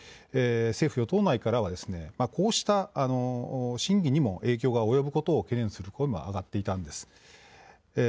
政府与党内からはこうした審議にも影響が及ぶことを懸念する声も上がっていたんです。